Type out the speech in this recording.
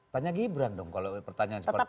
tanya gibran dong kalau pertanyaan seperti itu